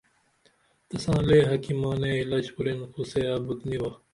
تساں لے حکیمانے علج کُرین خو سے ابُت نی با